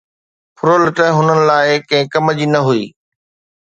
ڦرلٽ هنن لاءِ ڪنهن ڪم جي نه هئي.